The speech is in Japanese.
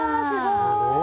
すごい！